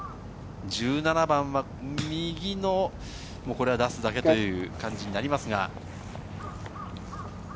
１７番は右の出すだけという感じになります。